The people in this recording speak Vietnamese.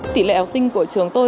tỷ lệ học sinh của trường tôi